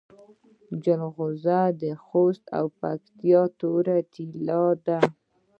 جلغوزي د خوست او پکتیا تور طلایی دي